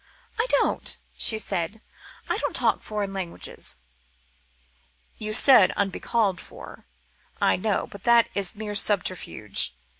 "I don't," she said. "I don't talk foreign languages." "You say, 'unbecalled for,' I know, but this is mere subterfuge.